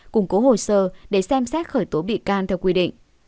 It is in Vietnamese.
củng cố hồ sơ để xem xét khởi tố bị can theo quy định